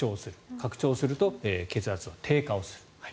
拡張すると血圧は低下をする。